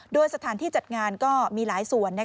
โดยสถานที่จัดงานก็มีหลายส่วน